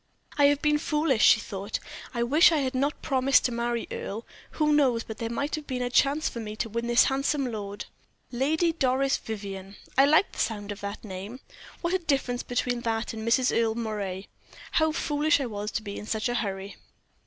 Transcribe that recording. "I have been foolish," she thought; "I wish I had not promised to marry Earle. Who knows but there might have been a chance for me to win this handsome lord. Lady Doris Vivianne! I like the sound of that name; what a difference between that and Mrs. Earle Moray. How foolish I was to be in such a hurry."